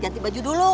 ganti baju dulu